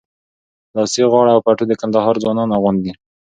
لاسي غاړه او پټو د کندهار ځوانان اغوندي.